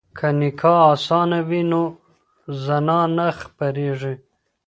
که نکاح اسانه وي نو زنا نه خپریږي.